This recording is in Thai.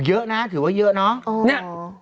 เยอะนะถือว่าเยอะเนาะ